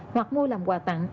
hoặc mua làm quà tặng